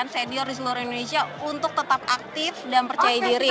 senior di seluruh indonesia untuk tetap aktif dan percaya diri